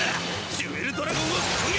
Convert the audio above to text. ジュエルドラゴンを攻撃！